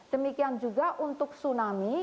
demikian juga untuk tsunami